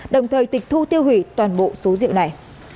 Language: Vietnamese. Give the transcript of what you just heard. đồng thời tịch thu tiêu hủy toàn bộ số rượu này